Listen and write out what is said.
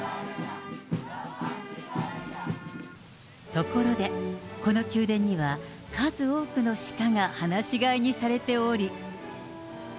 ところで、この宮殿には数多くのシカが放し飼いにされており。